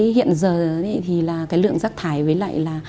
hiện giờ thì là cái lượng rác thải với lại là